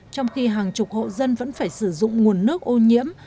trong khi hàng chục hộ dân vẫn phải sử dụng nguồn nước ô nhiễm